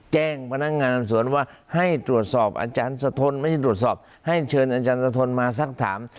แจ้งพนักงานสวนว่าให้ตรวจสอบอาจารย์สะทนไม่ใช่ตรวจสอบให้เชิญอาจารย์สะทนมาสักถาม